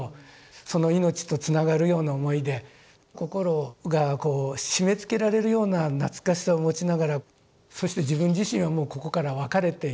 その命とつながるような思いで心がこう締めつけられるような懐かしさを持ちながらそして自分自身はもうここから別れていく。